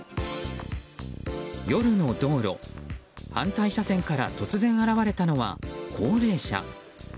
夜の道路、反対車線から突然現れたのは高齢者。